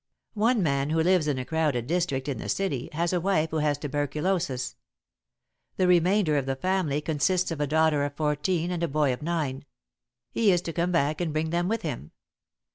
"One man who lives in a crowded district in the city, has a wife who has tuberculosis. The remainder of the family consists of a daughter of fourteen and a boy of nine. He is to come back and bring them with him.